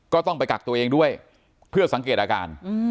ก็ต้องไปกักตัวเองด้วยเพื่อสังเกตอาการ